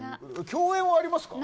共演はありますか？